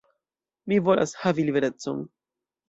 Mi volas havi liberecon.